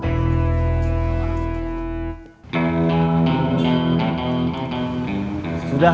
yang begini lho